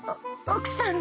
奥さん